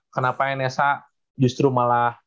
kenapa nsa justru malah